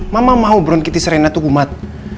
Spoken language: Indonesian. mama mau bronkitis rena tuh umat